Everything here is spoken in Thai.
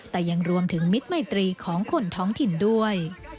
แต่ยังรวมถึงมิตรมัยตรีของคนท้องถิ่นด้วย